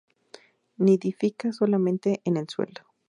Nidifica solamente en el suelo.